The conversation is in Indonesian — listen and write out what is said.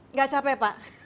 nggak capek pak